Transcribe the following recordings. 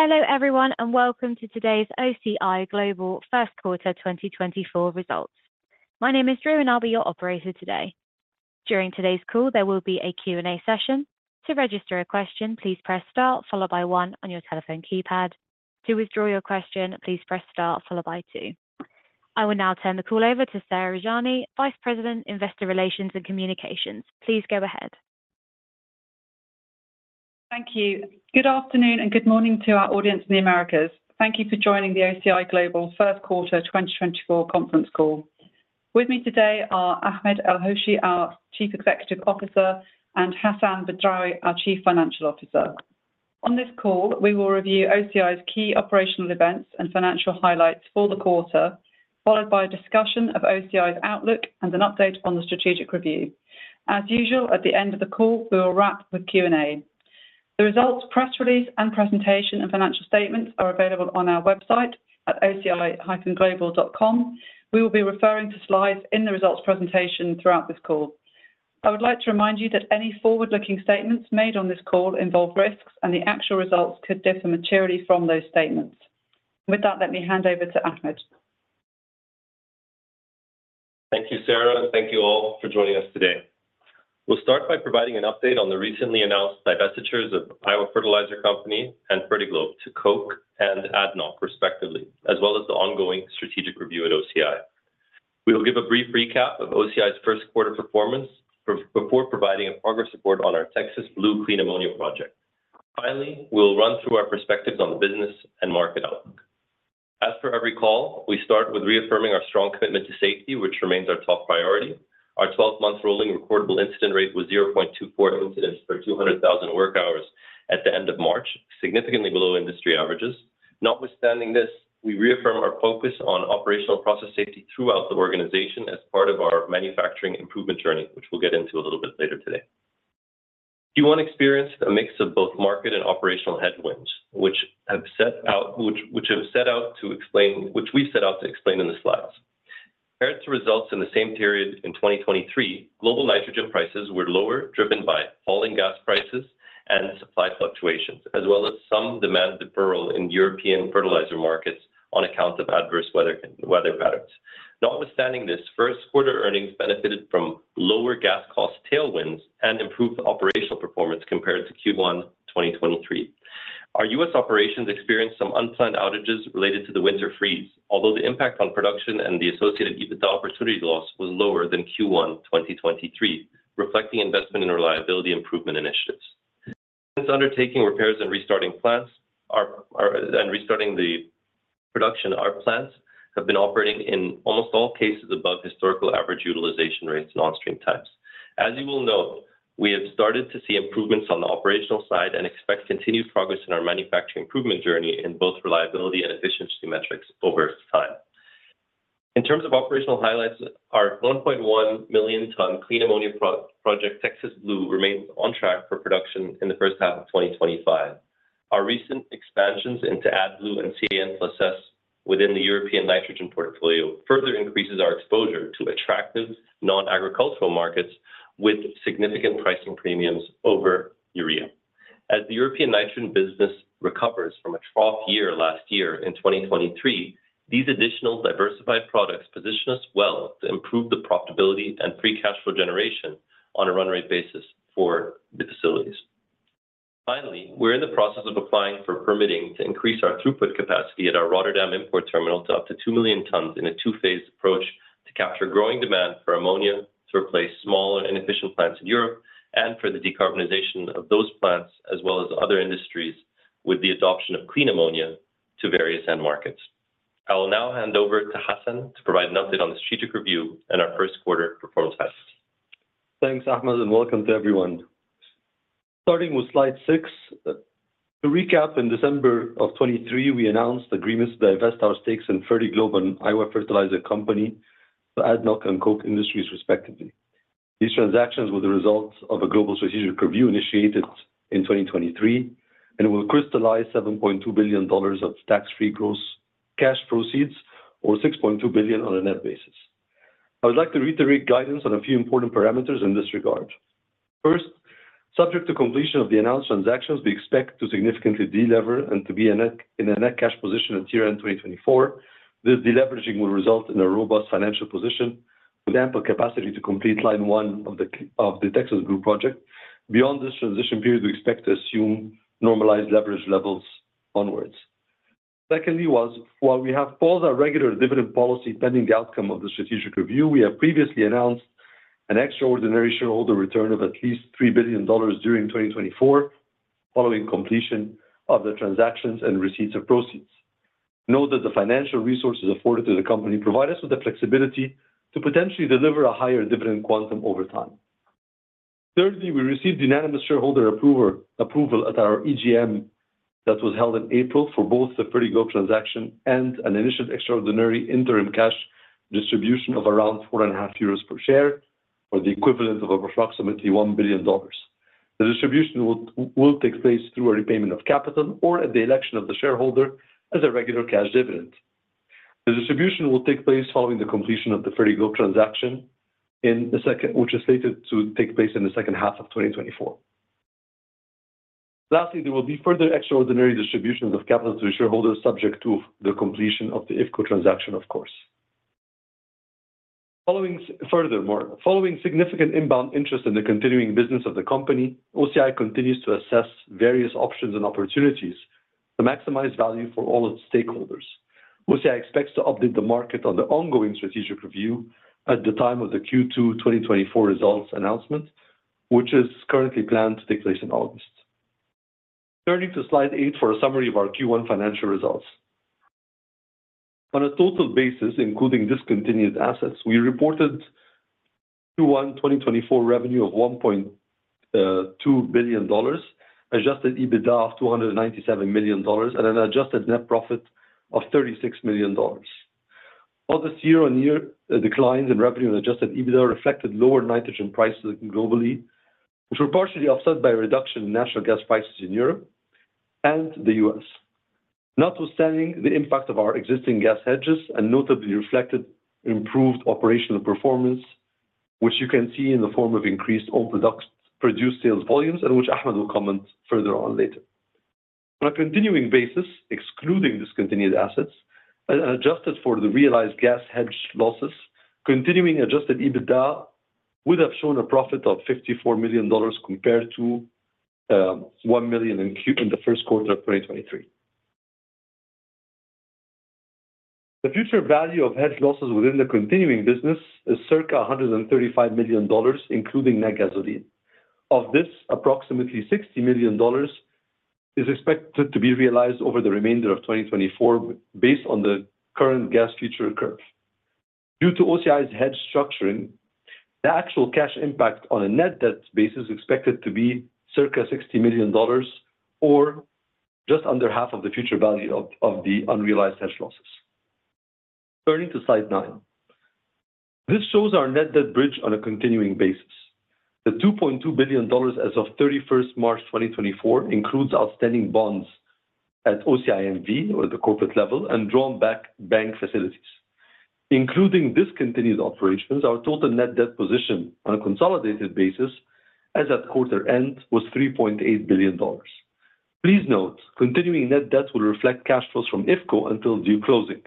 Hello everyone and welcome to today's OCI Global First Quarter 2024 results. My name is Drew and I'll be your operator today. During today's call there will be a Q&A session. To register a question please press star followed by 1 on your telephone keypad. To withdraw your question please press star followed by 2. I will now turn the call over to Sarah Rajani, Vice President Investor Relations and Communications. Please go ahead. Thank you. Good afternoon and good morning to our audience in the Americas. Thank you for joining the OCI Global First Quarter 2024 conference call. With me today are Ahmed El-Hoshy, our Chief Executive Officer, and Hassan Badrawi, our Chief Financial Officer. On this call we will review OCI's key operational events and financial highlights for the quarter, followed by a discussion of OCI's outlook and an update on the strategic review. As usual at the end of the call we will wrap with Q&A. The results press release and presentation and financial statements are available on our website at oci-global.com. We will be referring to slides in the results presentation throughout this call. I would like to remind you that any forward-looking statements made on this call involve risks and the actual results could differ materially from those statements. With that let me hand over to Ahmed. Thank you Sarah and thank you all for joining us today. We'll start by providing an update on the recently announced divestitures of Iowa Fertilizer Company and Fertiglobe to Koch and ADNOC respectively, as well as the ongoing strategic review at OCI. We'll give a brief recap of OCI's first quarter performance before providing a progress report on our Texas Blue Clean Ammonia project. Finally we'll run through our perspectives on the business and market outlook. As per every call we start with reaffirming our strong commitment to safety which remains our top priority. Our 12-month rolling recordable incident rate was 0.24 incidents per 200,000 work hours at the end of March, significantly below industry averages. Notwithstanding this we reaffirm our focus on operational process safety throughout the organization as part of our manufacturing improvement journey which we'll get into a little bit later today. Q1 experienced a mix of both market and operational headwinds which we've set out to explain in the slides. Compared to results in the same period in 2023, global nitrogen prices were lower driven by falling gas prices and supply fluctuations, as well as some demand deferral in European fertilizer markets on account of adverse weather patterns. Notwithstanding this, first quarter earnings benefited from lower gas cost tailwinds and improved operational performance compared to Q1 2023. Our US operations experienced some unplanned outages related to the winter freeze, although the impact on production and the associated EBITDA opportunity loss was lower than Q1 2023, reflecting investment in reliability improvement initiatives. Since undertaking repairs and restarting our plants, our plants have been operating in almost all cases above historical average utilization rates and on-stream times. As you will note, we have started to see improvements on the operational side and expect continued progress in our manufacturing improvement journey in both reliability and efficiency metrics over time. In terms of operational highlights, our 1.1 million-ton Clean Ammonia Project Texas Blue remains on track for production in the first half of 2025. Our recent expansions into AdBlue and CAN+S within the European nitrogen portfolio further increases our exposure to attractive non-agricultural markets with significant pricing premiums over urea. As the European nitrogen business recovers from a trough year last year in 2023, these additional diversified products position us well to improve the profitability and free cash flow generation on a run rate basis for the facilities. Finally we're in the process of applying for permitting to increase our throughput capacity at our Rotterdam import terminal to up to 2 million tons in a two-phase approach to capture growing demand for ammonia to replace smaller inefficient plants in Europe and for the decarbonization of those plants as well as other industries with the adoption of clean ammonia to various end markets. I will now hand over to Hassan to provide an update on the strategic review and our first quarter performance highlights. Thanks Ahmed and welcome to everyone. Starting with slide 6. To recap in December of 2023 we announced agreements to divest our stakes in Fertiglobe and Iowa Fertilizer Company for ADNOC and Koch Industries respectively. These transactions were the result of a global strategic review initiated in 2023 and will crystallize $7.2 billion of tax-free gross cash proceeds or $6.2 billion on a net basis. I would like to reiterate guidance on a few important parameters in this regard. First, subject to completion of the announced transactions we expect to significantly delever and to be in a net cash position at year end 2024. This deleveraging will result in a robust financial position with ample capacity to complete line one of the Texas Blue project. Beyond this transition period we expect to assume normalized leverage levels onwards. Secondly, while we have paused our regular dividend policy pending the outcome of the strategic review, we have previously announced an extraordinary shareholder return of at least $3 billion during 2024 following completion of the transactions and receipts of proceeds. Note that the financial resources afforded to the company provide us with the flexibility to potentially deliver a higher dividend quantum over time. Thirdly, we received unanimous shareholder approval at our EGM that was held in April for both the Fertiglobe transaction and an initial extraordinary interim cash distribution of around €4.50 per share or the equivalent of approximately $1 billion. The distribution will take place through a repayment of capital or at the election of the shareholder as a regular cash dividend. The distribution will take place following the completion of the Fertiglobe transaction in the second half which is slated to take place in the second half of 2024. Lastly, there will be further extraordinary distributions of capital to the shareholders subject to the completion of the IFCO transaction, of course. Following further significant inbound interest in the continuing business of the company, OCI continues to assess various options and opportunities to maximize value for all its stakeholders. OCI expects to update the market on the ongoing strategic review at the time of the Q2 2024 results announcement, which is currently planned to take place in August. Turning to Slide 8 for a summary of our Q1 financial results. On a total basis including discontinued assets, we reported Q1 2024 revenue of $1.2 billion, adjusted EBITDA of $297 million, and an adjusted net profit of $36 million. All this year-on-year declines in revenue and adjusted EBITDA reflected lower nitrogen prices globally which were partially offset by a reduction in natural gas prices in Europe and the US. Notwithstanding the impact of our existing gas hedges, and notably reflected improved operational performance which you can see in the form of increased own produced sales volumes and which Ahmed will comment further on later. On a continuing basis excluding discontinued assets and adjusted for the realized gas hedge losses continuing adjusted EBITDA would have shown a profit of $54 million compared to $1 million in the first quarter of 2023. The future value of hedge losses within the continuing business is circa $135 million including net gasoline. Of this approximately $60 million is expected to be realized over the remainder of 2024 based on the current gas future curve. Due to OCI's hedge structuring, the actual cash impact on a net debt basis is expected to be circa $60 million or just under half of the future value of the unrealized hedge losses. Turning to slide 9. This shows our net debt bridge on a continuing basis. The $2.2 billion as of 31 March 2024 includes outstanding bonds at OCI N.V. or the corporate level and drawn back bank facilities. Including discontinued operations, our total net debt position on a consolidated basis as at quarter end was $3.8 billion. Please note continuing net debt will reflect cash flows from IFCO until due closing.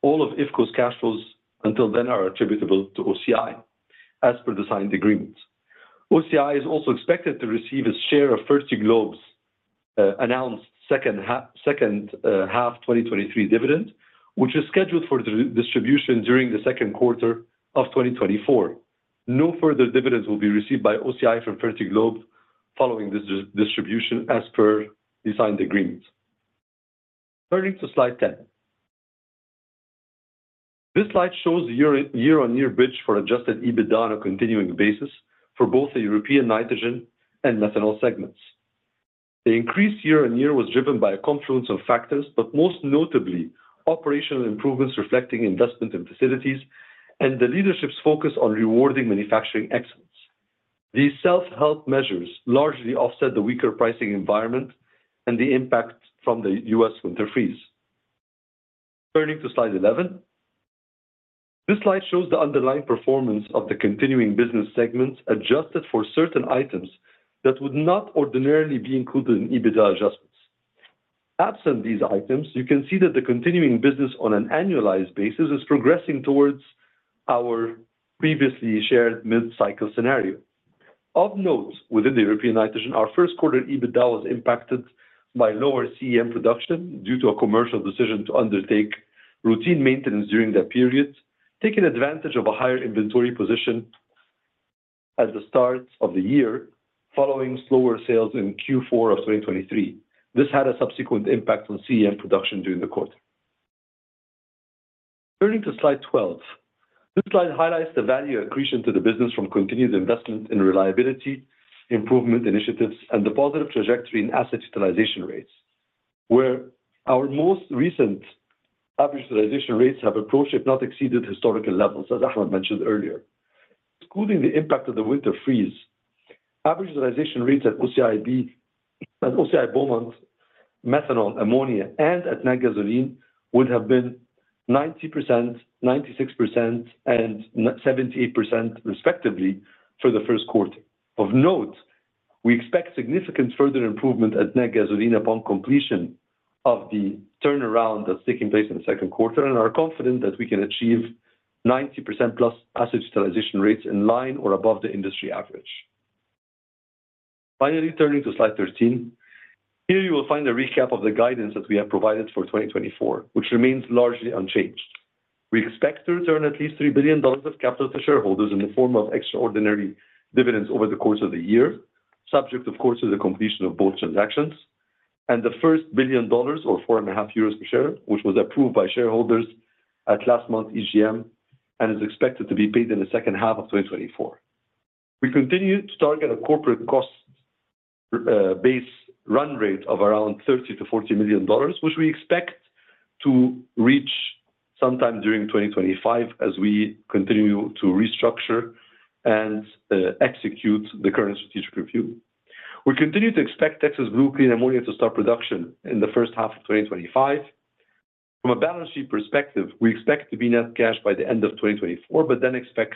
All of IFCO's cash flows until then are attributable to OCI as per the signed agreements. OCI is also expected to receive its share of Fertiglobe's announced second half 2023 dividend which is scheduled for distribution during the second quarter of 2024. No further dividends will be received by OCI from Fertiglobe following this distribution as per the signed agreements. Turning to slide 10. This slide shows the year-on-year bridge for adjusted EBITDA on a continuing basis for both the European nitrogen and methanol segments. The increase year-on-year was driven by a confluence of factors but most notably operational improvements reflecting investment in facilities and the leadership's focus on rewarding manufacturing excellence. These self-help measures largely offset the weaker pricing environment and the impact from the US winter freeze. Turning to slide 11. This slide shows the underlying performance of the continuing business segments adjusted for certain items that would not ordinarily be included in EBITDA adjustments. Absent these items you can see that the continuing business on an annualized basis is progressing towards our previously shared mid-cycle scenario. Of note, within the European nitrogen, our first quarter EBITDA was impacted by lower CAM production due to a commercial decision to undertake routine maintenance during that period, taking advantage of a higher inventory position at the start of the year following slower sales in Q4 of 2023. This had a subsequent impact on CAM production during the quarter. Turning to Slide 12. This slide highlights the value accretion to the business from continued investment in reliability improvement initiatives and the positive trajectory in asset utilization rates, where our most recent average utilization rates have approached, if not exceeded, historical levels, as Ahmed mentioned earlier. Excluding the impact of the winter freeze, average utilization rates at OCI Beaumont methanol, ammonia, and NatGasoline would have been 90%, 96%, and 78% respectively for the first quarter. Of note, we expect significant further improvement at NatGasoline upon completion of the turnaround that's taking place in the second quarter and are confident that we can achieve 90%+ asset utilization rates in line or above the industry average. Finally, turning to slide 13. Here you will find a recap of the guidance that we have provided for 2024, which remains largely unchanged. We expect to return at least $3 billion of capital to shareholders in the form of extraordinary dividends over the course of the year, subject of course to the completion of both transactions, and the first $1 billion or 4.50 euros per share, which was approved by shareholders at last month's EGM and is expected to be paid in the second half of 2024. We continue to target a corporate cost base run rate of around $30 million-$40 million which we expect to reach sometime during 2025 as we continue to restructure and execute the current strategic review. We continue to expect Texas Blue Clean Ammonia to start production in the first half of 2025. From a balance sheet perspective we expect to be net cash by the end of 2024 but then expect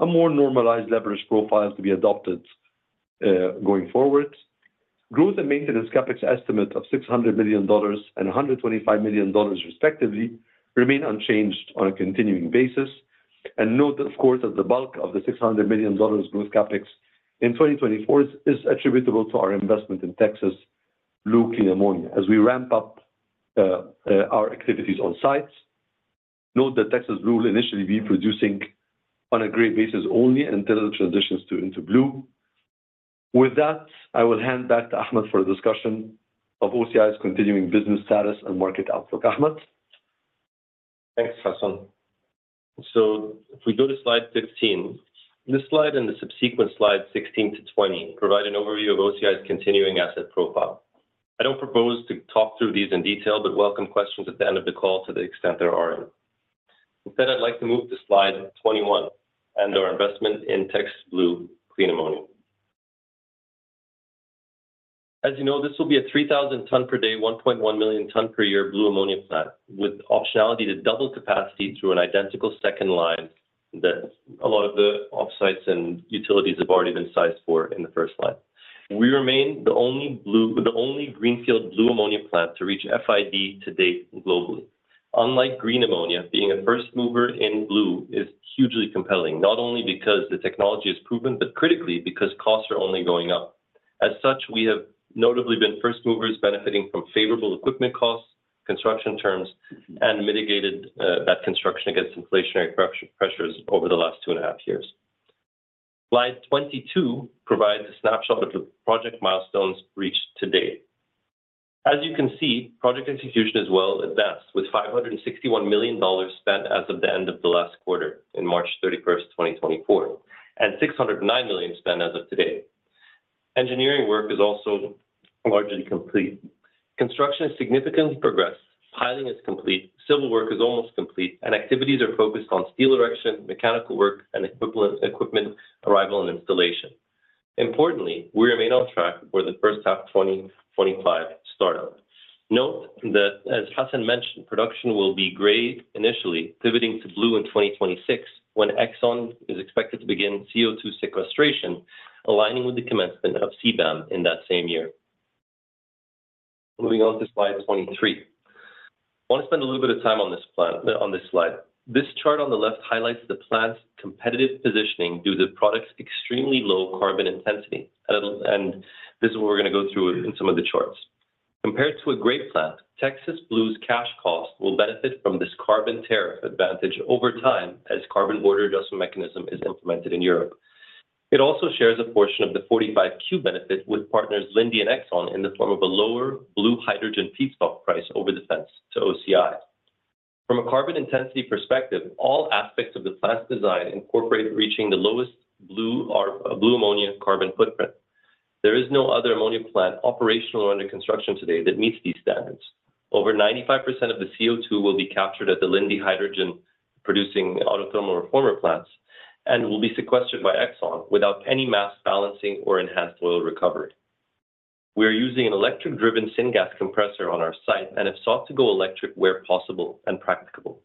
a more normalized leverage profile to be adopted going forward. Growth and maintenance CapEx estimate of $600 million and $125 million respectively remain unchanged on a continuing basis and note of course that the bulk of the $600 million growth CapEx in 2024 is attributable to our investment in Texas Blue Clean Ammonia as we ramp up our activities on sites. Note that Texas Blue will initially be producing on a Gray basis only until it transitions into Blue. With that I will hand back to Ahmed for a discussion of OCI's continuing business status and market outlook. Ahmed? Thanks Hassan. So if we go to slide 15. This slide and the subsequent slides 16-20 provide an overview of OCI's continuing asset profile. I don't propose to talk through these in detail but welcome questions at the end of the call to the extent there are any. Instead I'd like to move to slide 21 and our investment in Texas Blue Clean Ammonia. As you know this will be a 3,000-ton per day 1.1 million-ton per year blue ammonia plant with optionality to double capacity through an identical second line that a lot of the offsites and utilities have already been sized for in the first line. We remain the only blue the only Greenfield blue ammonia plant to reach FID to date globally. Unlike green ammonia, being a first mover in blue is hugely compelling not only because the technology is proven but critically because costs are only going up. As such we have notably been first movers benefiting from favorable equipment costs, construction terms, and mitigated that construction against inflationary pressures over the last two and a half years. Slide 22 provides a snapshot of the project milestones reached to date. As you can see project execution is well advanced with $561 million spent as of the end of the last quarter in March 31st, 2024, and $609 million spent as of today. Engineering work is also largely complete. Construction has significantly progressed. Piling is complete. Civil work is almost complete and activities are focused on steel erection, mechanical work, and equipment arrival and installation. Importantly we remain on track for the first half 2025 startup. Note that, as Hassan mentioned, production will be gray initially, pivoting to blue in 2026 when Exxon is expected to begin CO2 sequestration, aligning with the commencement of CBAM in that same year. Moving on to slide 23. I want to spend a little bit of time on this plant on this slide. This chart on the left highlights the plant's competitive positioning due to the product's extremely low carbon intensity and this is what we're going to go through in some of the charts. Compared to a gray plant, Texas Blue's cash cost will benefit from this carbon tariff advantage over time as carbon border adjustment mechanism is implemented in Europe. It also shares a portion of the 45Q benefit with partners Linde and Exxon in the form of a lower blue hydrogen feedstock price over the fence to OCI. From a carbon intensity perspective, all aspects of the plant's design incorporate reaching the lowest blue ammonia carbon footprint. There is no other ammonia plant operational or under construction today that meets these standards. Over 95% of the CO2 will be captured at the Linde hydrogen producing autothermal reformer plants and will be sequestered by ExxonMobil without any mass balancing or enhanced oil recovery. We are using an electric-driven syngas compressor on our site and have sought to go electric where possible and practicable.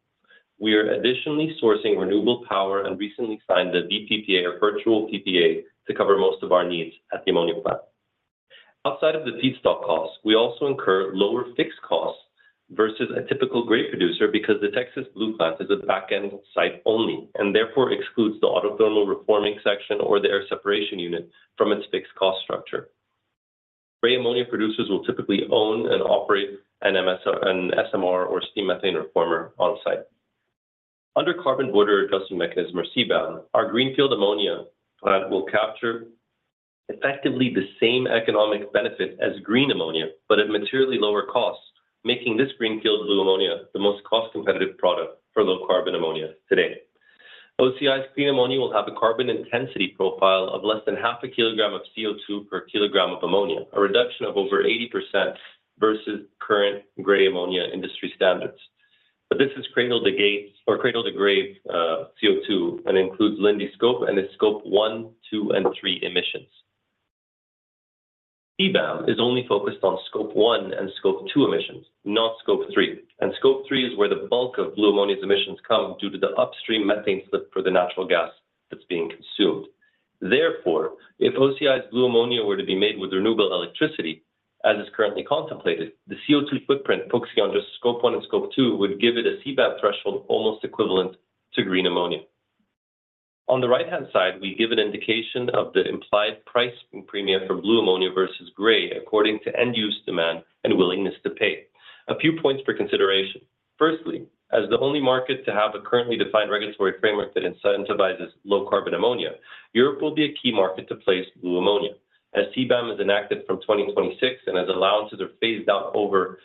We are additionally sourcing renewable power and recently signed the VPPA or virtual PPA to cover most of our needs at the ammonia plant. Outside of the feedstock costs we also incur lower fixed costs versus a typical gray producer because the Texas Blue plant is a backend site only and therefore excludes the autothermal reforming section or the air separation unit from its fixed cost structure. Gray ammonia producers will typically own and operate an SMR or steam methane reformer on site. Under Carbon Border Adjustment Mechanism or CBAM our Greenfield ammonia plant will capture effectively the same economic benefit as green ammonia but at materially lower costs, making this greenfield blue ammonia the most cost-competitive product for low-carbon ammonia today. OCI's Clean Ammonia will have a carbon intensity profile of less than half a kilogram of CO2 per kilogram of ammonia, a reduction of over 80% versus current gray ammonia industry standards. But this is cradle to grave CO2 and includes Linde Scope 1 and its Scope 1, 2, and 3 emissions. CBAM is only focused on Scope 1 and Scope 2 emissions, not Scope 3, and Scope 3 is where the bulk of Blue Ammonia's emissions come due to the upstream methane slip for the natural gas that's being consumed. Therefore, if OCI's Blue Ammonia were to be made with renewable electricity as is currently contemplated, the CO2 footprint focusing on just Scope 1 and Scope 2 would give it a CBAM threshold almost equivalent to Green Ammonia. On the right-hand side, we give an indication of the implied price premia for Blue Ammonia versus Gray according to end-use demand and willingness to pay. A few points for consideration. Firstly, as the only market to have a currently defined regulatory framework that incentivizes low-carbon ammonia, Europe will be a key market to place Blue Ammonia. As CBAM is enacted from 2026 and as allowances are phased out over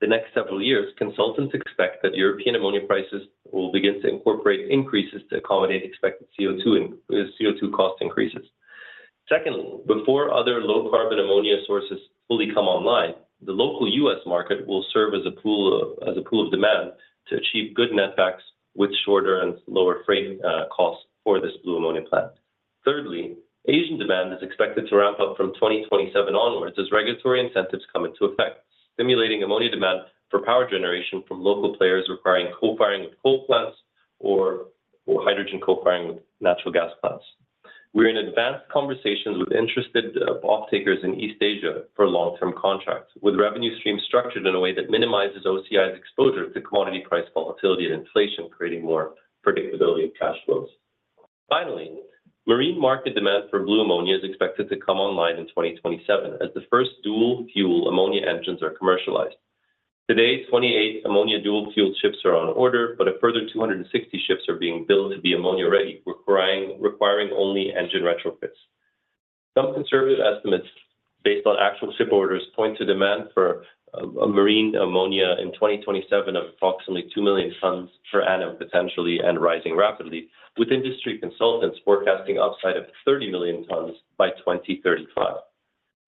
the next several years consultants expect that European ammonia prices will begin to incorporate increases to accommodate expected CO2 cost increases. Secondly before other low-carbon ammonia sources fully come online the local U.S. market will serve as a pool of demand to achieve good netbacks with shorter and lower freight costs for this blue ammonia plant. Thirdly Asian demand is expected to ramp up from 2027 onwards as regulatory incentives come into effect stimulating ammonia demand for power generation from local players requiring co-firing with coal plants or hydrogen co-firing with natural gas plants. We're in advanced conversations with interested off-takers in East Asia for long-term contracts with revenue streams structured in a way that minimizes OCI's exposure to commodity price volatility and inflation creating more predictability of cash flows. Finally marine market demand for blue ammonia is expected to come online in 2027 as the first dual-fuel ammonia engines are commercialized. Today 28 ammonia dual-fueled ships are on order but a further 260 ships are being built to be ammonia-ready requiring only engine retrofits. Some conservative estimates based on actual ship orders point to demand for marine ammonia in 2027 of approximately 2 million tons per annum potentially and rising rapidly with industry consultants forecasting upside of 30 million tons by 2035.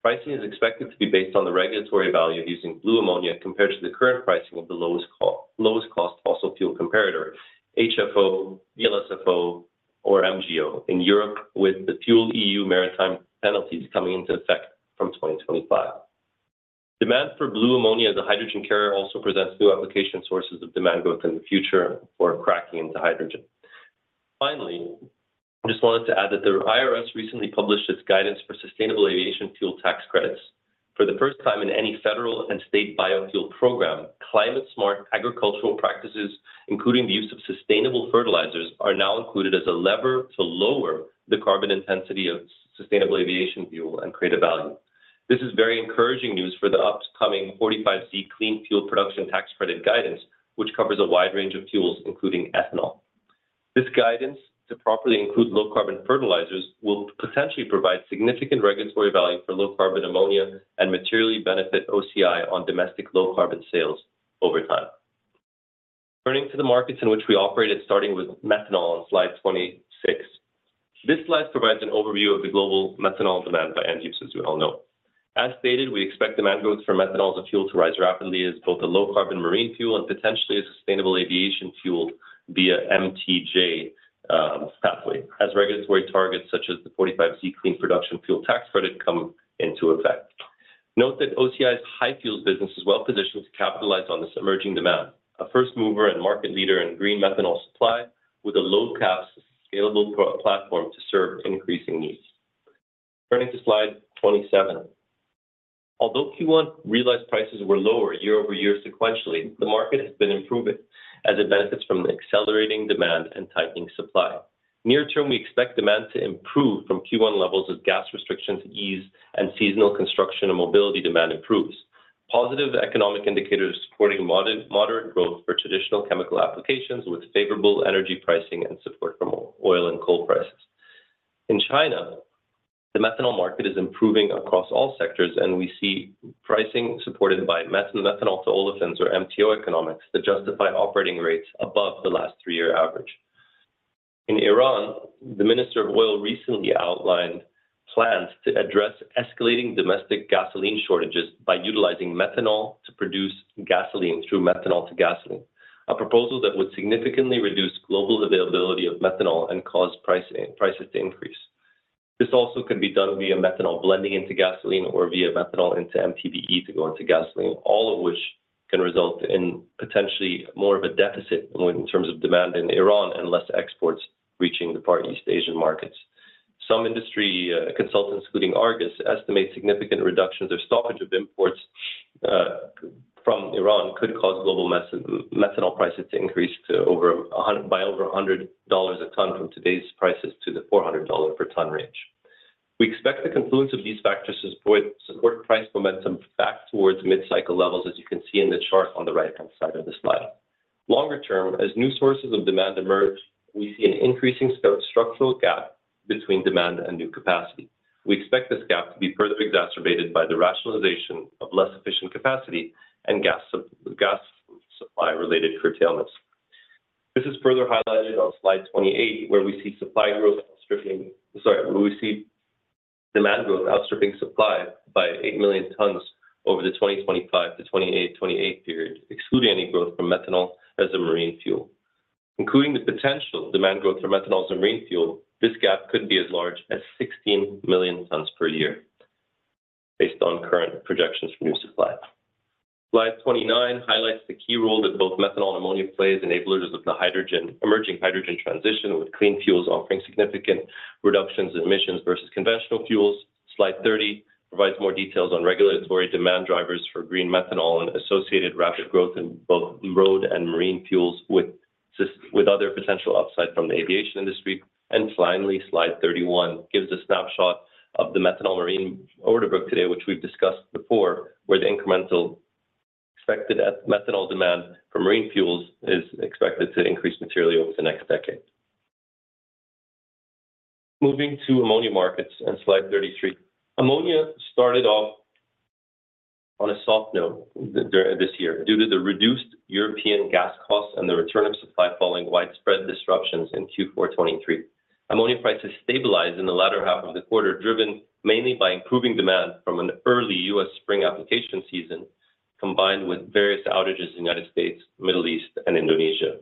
Pricing is expected to be based on the regulatory value of using blue ammonia compared to the current pricing of the lowest cost fossil fuel comparator HFO, VLSFO, or MGO in Europe with the FuelEU Maritime penalties coming into effect from 2025. Demand for blue ammonia as a hydrogen carrier also presents new application sources of demand growth in the future for cracking into hydrogen. Finally, I just wanted to add that the IRS recently published its guidance for sustainable aviation fuel tax credits. For the first time in any federal and state biofuel program, climate-smart agricultural practices including the use of sustainable fertilizers are now included as a lever to lower the carbon intensity of sustainable aviation fuel and create a value. This is very encouraging news for the upcoming 45Z Clean Fuel Production Tax Credit guidance which covers a wide range of fuels including ethanol. This guidance to properly include low-carbon fertilizers will potentially provide significant regulatory value for low-carbon ammonia and materially benefit OCI on domestic low-carbon sales over time. Turning to the markets in which we operated, starting with methanol on slide 26. This slide provides an overview of the global methanol demand by end-use as we all know. As stated, we expect demand growth for methanol as a fuel to rise rapidly as both a low-carbon marine fuel and potentially a sustainable aviation fueled via MTJ pathway as regulatory targets such as the 45Z Clean Production Fuel Tax Credit come into effect. Note that OCI's HyFuels business is well positioned to capitalize on this emerging demand. A first mover and market leader in green methanol supply with a low-cap scalable platform to serve increasing needs. Turning to slide 27. Although Q1 realized prices were lower year-over-year sequentially, the market has been improving as it benefits from the accelerating demand and tightening supply. Near-term we expect demand to improve from Q1 levels as gas restrictions ease and seasonal construction and mobility demand improves. Positive economic indicators supporting moderate growth for traditional chemical applications with favorable energy pricing and support from oil and coal prices. In China the methanol market is improving across all sectors and we see pricing supported by methanol to olefins or MTO economics that justify operating rates above the last three-year average. In Iran the minister of oil recently outlined plans to address escalating domestic gasoline shortages by utilizing methanol to produce gasoline through methanol to gasoline. A proposal that would significantly reduce global availability of methanol and cause prices to increase. This also could be done via methanol blending into gasoline or via methanol into MTBE to go into gasoline all of which can result in potentially more of a deficit in terms of demand in Iran and less exports reaching the far East Asian markets. Some industry consultants including Argus estimate significant reductions or stoppage of imports from Iran could cause global methanol prices to increase by over $100 a ton from today's prices to the $400 per ton range. We expect the confluence of these factors to support price momentum back towards mid-cycle levels as you can see in the chart on the right-hand side of the slide. Longer-term, as new sources of demand emerge we see an increasing structural gap between demand and new capacity. We expect this gap to be further exacerbated by the rationalization of less efficient capacity and gas supply-related curtailments. This is further highlighted on slide 28 where we see demand growth outstripping supply by 8 million tons over the 2025-2028 period excluding any growth from methanol as a marine fuel. Including the potential demand growth for methanol as a marine fuel, this gap could be as large as 16 million tons per year based on current projections for new supply. Slide 29 highlights the key role that both methanol and ammonia play as enablers of the emerging hydrogen transition with clean fuels offering significant reductions in emissions versus conventional fuels. Slide 30 provides more details on regulatory demand drivers for green methanol and associated rapid growth in both road and marine fuels with other potential upside from the aviation industry. And finally, Slide 31 gives a snapshot of the methanol marine order book today, which we've discussed before, where the incremental expected methanol demand for marine fuels is expected to increase materially over the next decade. Moving to ammonia markets and Slide 33. Ammonia started off on a soft note this year due to the reduced European gas costs and the return of supply following widespread disruptions in Q4/2023. Ammonia prices stabilized in the latter half of the quarter driven mainly by improving demand from an early U.S. spring application season combined with various outages in the United States, Middle East, and Indonesia.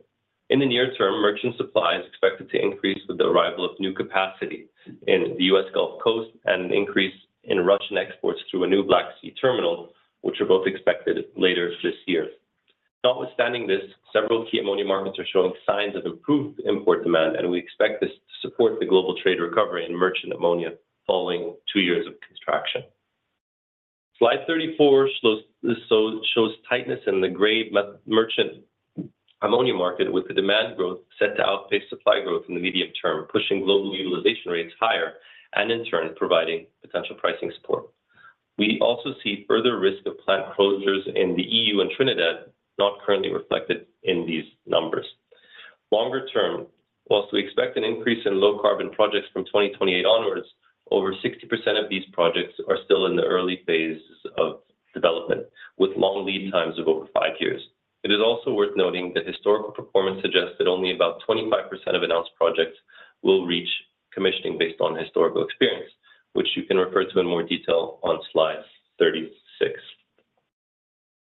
In the near-term merchant supply is expected to increase with the arrival of new capacity in the U.S. Gulf Coast and an increase in Russian exports through a new Black Sea terminal which are both expected later this year. Notwithstanding this several key ammonia markets are showing signs of improved import demand and we expect this to support the global trade recovery in merchant ammonia following two years of contraction. Slide 34 shows tightness in the Gray merchant ammonia market with the demand growth set to outpace supply growth in the medium term, pushing global utilization rates higher and in turn providing potential pricing support. We also see further risk of plant closures in the EU and Trinidad not currently reflected in these numbers. Longer-term, whilst we expect an increase in low-carbon projects from 2028 onwards, over 60% of these projects are still in the early phase of development with long lead times of over five years. It is also worth noting that historical performance suggests that only about 25% of announced projects will reach commissioning based on historical experience, which you can refer to in more detail on Slide 36.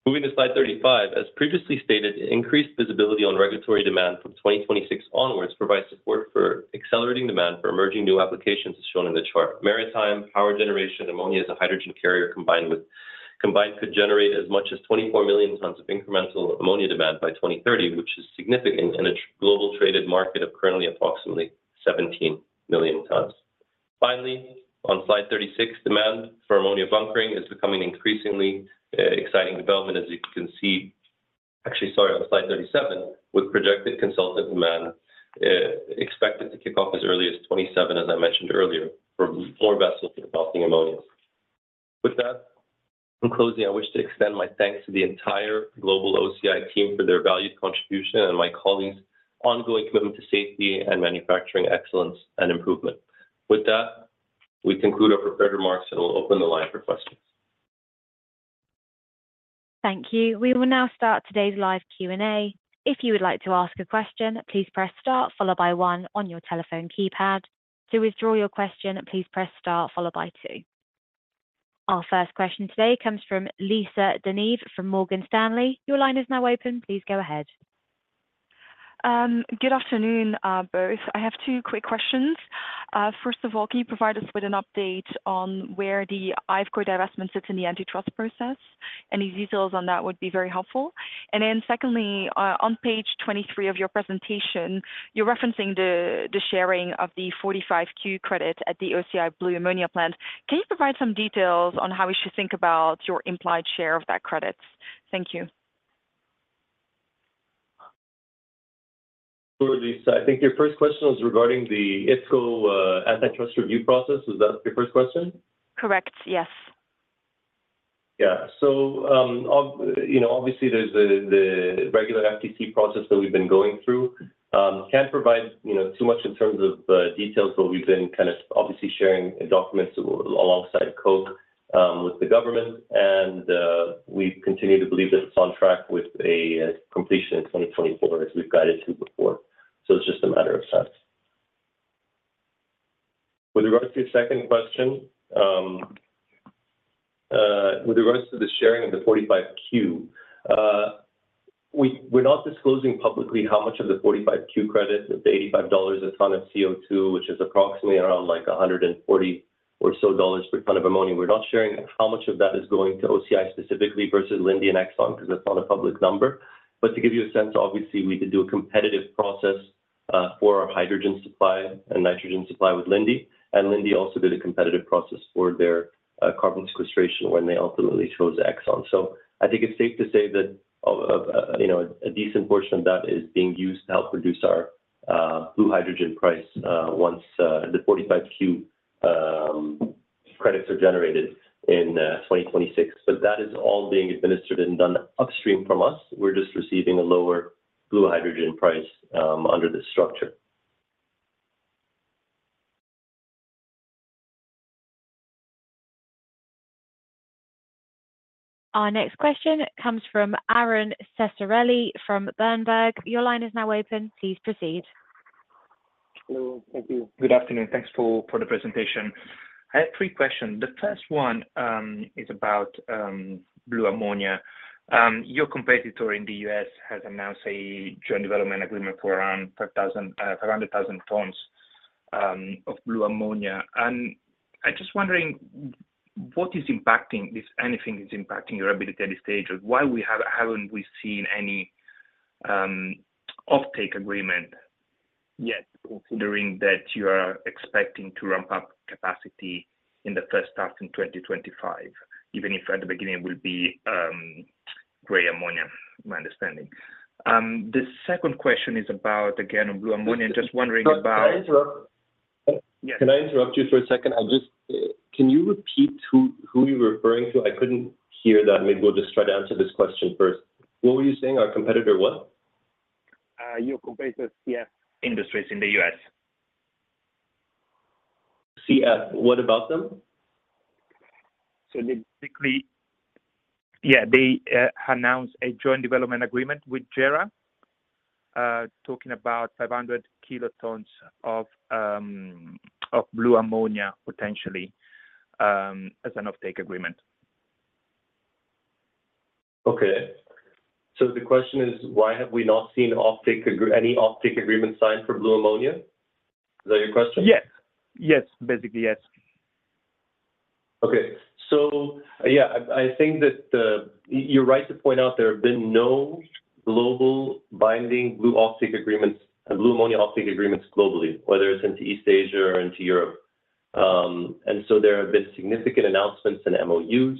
Moving to Slide 35. As previously stated, increased visibility on regulatory demand from 2026 onwards provides support for accelerating demand for emerging new applications as shown in the chart. Maritime, power generation, ammonia as a hydrogen carrier combined could generate as much as 24 million tons of incremental ammonia demand by 2030, which is significant in a global traded market of currently approximately 17 million tons. Finally on slide 36, demand for ammonia bunkering is becoming an increasingly exciting development as you can see actually sorry on slide 37 with projected consultant demand expected to kick off as early as 2027 as I mentioned earlier for more vessels for developing ammonia. With that in closing, I wish to extend my thanks to the entire global OCI team for their valued contribution and my colleagues' ongoing commitment to safety and manufacturing excellence and improvement. With that, we conclude our prepared remarks and we'll open the line for questions. Thank you. We will now start today's live Q&A. If you would like to ask a question please press star followed by one on your telephone keypad. To withdraw your question please press star followed by two. Our first question today comes from Lisa De Neve from Morgan Stanley. Your line is now open. Please go ahead. Good afternoon both. I have two quick questions. First of all, can you provide us with an update on where the IFCO divestment sits in the antitrust process? Any details on that would be very helpful. And then secondly, on page 23 of your presentation, you're referencing the sharing of the 45Q credit at the OCI blue ammonia plant. Can you provide some details on how we should think about your implied share of that credit? Thank you. Sure Lisa. I think your first question was regarding the IFCO antitrust review process. Was that your first question? Correct. Yes. Yeah. So obviously there's the regular FTC process that we've been going through. Can't provide too much in terms of details but we've been kind of obviously sharing documents alongside Koch with the government and we continue to believe that it's on track with a completion in 2024 as we've guided to before. So it's just a matter of time. With regards to your second question with regards to the sharing of the 45Q we're not disclosing publicly how much of the 45Q credit the $85 a ton of CO2 which is approximately around like $140 or so per ton of ammonia. We're not sharing how much of that is going to OCI specifically versus Linde and Exxon because that's not a public number. But to give you a sense, obviously we did do a competitive process for our hydrogen supply and nitrogen supply with Linde, and Linde also did a competitive process for their carbon sequestration when they ultimately chose ExxonMobil. So I think it's safe to say that a decent portion of that is being used to help reduce our blue hydrogen price once the 45Q credits are generated in 2026. But that is all being administered and done upstream from us. We're just receiving a lower blue hydrogen price under this structure. Our next question comes from Aron Ceccarelli from Berenberg. Your line is now open. Please proceed. Hello. Thank you. Good afternoon. Thanks for the presentation. I have three questions. The first one is about Blue Ammonia. Your competitor in the U.S. has announced a joint development agreement for around 500,000 tons of Blue Ammonia, and I'm just wondering what is impacting, if anything is impacting, your ability at this stage or why haven't we seen any offtake agreement yet considering that you are expecting to ramp up capacity in the first half in 2025 even if at the beginning it will be Gray Ammonia my understanding. The second question is about again on Blue Ammonia. I'm just wondering about. Can I interrupt? Can I interrupt you for a second? Can you repeat who you're referring to? I couldn't hear that. Maybe we'll just try to answer this question first. What were you saying? Our competitor what? Your competitor CF. Industries in the U.S. CF. What about them? So basically yeah they announced a joint development agreement with JERA talking about 500 kilotons of Blue Ammonia potentially as an offtake agreement. Okay. So the question is why have we not seen any offtake agreement signed for blue ammonia? Is that your question? Yes. Yes. Basically yes. Okay. So yeah, I think that you're right to point out there have been no global binding blue offtake agreements, blue ammonia offtake agreements globally, whether it's into East Asia or into Europe. And so there have been significant announcements and MOUs.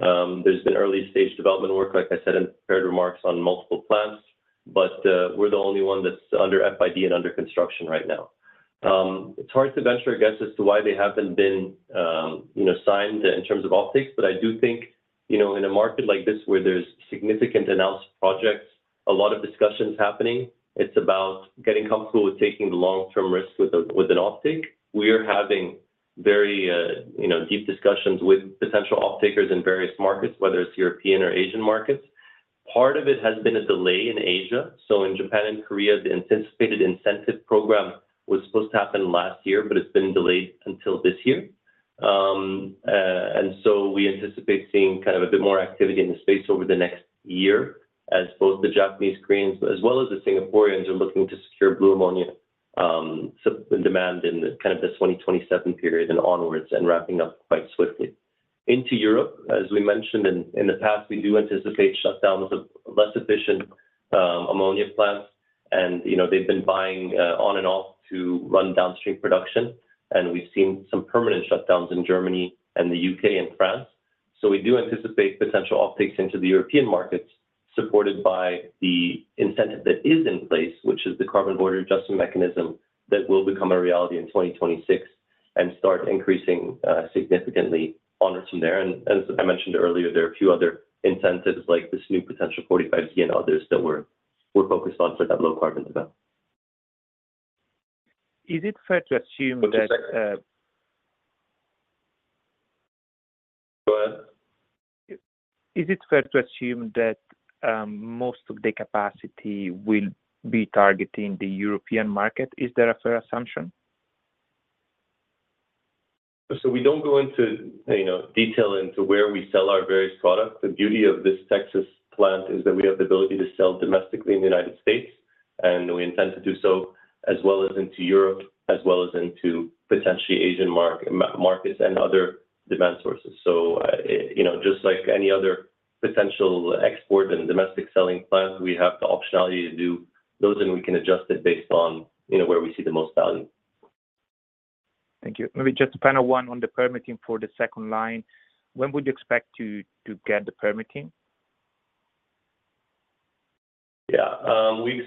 There's been early-stage development work, like I said in prepared remarks, on multiple plants, but we're the only one that's under FID and under construction right now. It's hard to venture a guess as to why they haven't been signed in terms of offtakes, but I do think in a market like this where there's significant announced projects, a lot of discussions happening. It's about getting comfortable with taking the long-term risk with an offtake. We are having very deep discussions with potential offtakers in various markets, whether it's European or Asian markets. Part of it has been a delay in Asia. So in Japan and Korea the anticipated incentive program was supposed to happen last year but it's been delayed until this year. So we anticipate seeing kind of a bit more activity in the space over the next year as both the Japanese, Koreans as well as the Singaporeans are looking to secure blue ammonia demand in kind of the 2027 period and onwards and ramping up quite swiftly. Into Europe as we mentioned in the past we do anticipate shutdowns of less efficient ammonia plants and they've been buying on and off to run downstream production and we've seen some permanent shutdowns in Germany and the U.K. and France. So we do anticipate potential offtakes into the European markets supported by the incentive that is in place which is the Carbon Border Adjustment Mechanism that will become a reality in 2026 and start increasing significantly onwards from there. As I mentioned earlier, there are a few other incentives like this new potential 45Z and others that we're focused on for that low-carbon development. Is it fair to assume that? What did you say? Go ahead. Is it fair to assume that most of the capacity will be targeting the European market? Is there a fair assumption? We don't go into detail into where we sell our various products. The beauty of this Texas plant is that we have the ability to sell domestically in the United States and we intend to do so as well as into Europe as well as into potentially Asian markets and other demand sources. Just like any other potential export and domestic selling plant we have the optionality to do those and we can adjust it based on where we see the most value. Thank you. Maybe just final one on the permitting for the second line. When would you expect to get the permitting? Yeah. We